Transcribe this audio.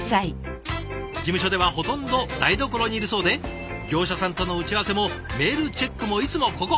事務所ではほとんど台所にいるそうで業者さんとの打ち合わせもメールチェックもいつもここ。